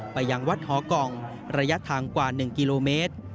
ไปยังวัดหอกล่องระยะทางกว่า๑กิโลเมตร